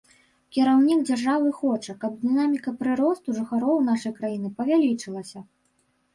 Кіраўнік дзяржавы хоча, каб дынаміка прыросту жыхароў нашай краіны павялічылася.